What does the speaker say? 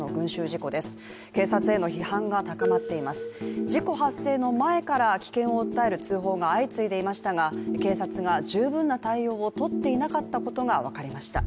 事故発生の前から危険を訴える通報が相次いでいましたが警察が十分な対応をとっていなかったことが分かりました。